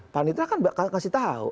panitera kan bakal kasih tahu